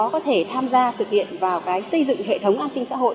có thể tham gia thực hiện vào xây dựng hệ thống an sinh xã hội